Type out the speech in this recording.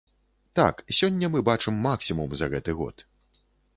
Так, сёння мы бачым максімум за гэты год.